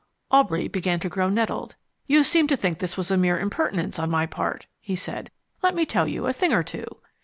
Aubrey began to grow nettled. "You seem to think this was a mere impertinence on my part," he said. "Let me tell you a thing or two."